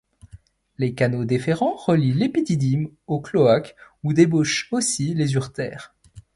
Les canaux déférents relient l’épididyme au cloaque où débouchent aussi les uretères.